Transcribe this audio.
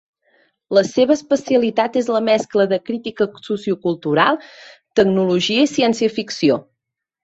La seva especialitat és la mescla de crítica sociocultural, tecnologia i ciència-ficció.